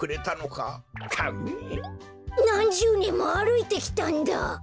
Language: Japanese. なんじゅうねんもあるいてきたんだ！